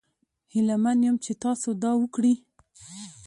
هیله من یم چې تاسو دا وکړي.